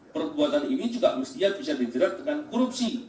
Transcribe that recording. perbuatan ini juga mestinya bisa dijerat dengan korupsi